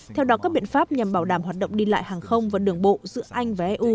theo đó các biện pháp nhằm bảo đảm hoạt động đi lại hàng không và đường bộ giữa anh và eu